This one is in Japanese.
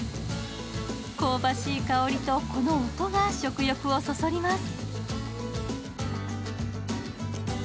香ばしい香りとこの音が食欲をそそります。